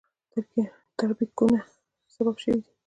تربګنیو سبب شوي دي.